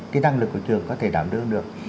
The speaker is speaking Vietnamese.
cái năng lực của trường có thể đảm đương được